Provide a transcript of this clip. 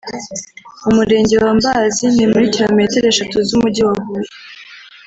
mu Murenge wa Mbazi ni muri kilometero eshatu z’Umujyi wa Huye